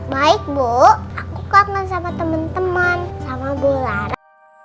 baik bu aku kangen sama temen temen sama bu lara